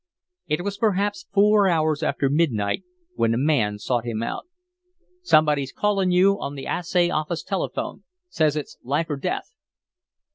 It was perhaps four hours after midnight when a man sought him out. "Somebody's callin' you on the Assay Office telephone says it's life or death."